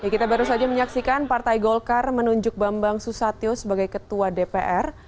kita baru saja menyaksikan partai golkar menunjuk bambang susatyo sebagai ketua dpr